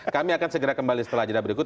kami akan segera kembali setelah jeda berikut